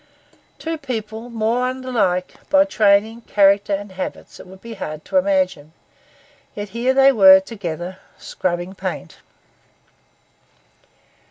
Two people more unlike by training, character, and habits it would be hard to imagine; yet here they were together, scrubbing paint.